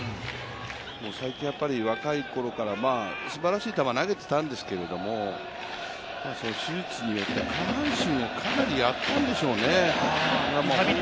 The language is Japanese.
才木は若いころから、すばらしい球を投げていたんですけれども、手術によって下半身をかなりやったんでしょうね。